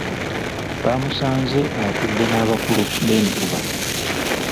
Baamusanze atudde n’abakulu b’emituba.